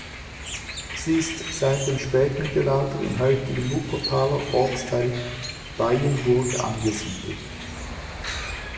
Sie ist seit dem Spätmittelalter im heutigen Wuppertaler Ortsteil Beyenburg angesiedelt.